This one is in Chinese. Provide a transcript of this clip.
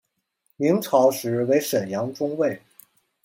明朝时为沈阳中卫。